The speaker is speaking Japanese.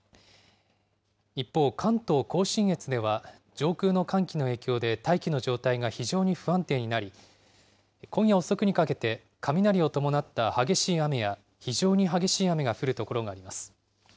一方、関東甲信越では、上空の寒気の影響で大気の状態が非常に不安定になり、今夜遅くにかけて雷を伴った激しい雨や、非常に激しい雨が降る所があります。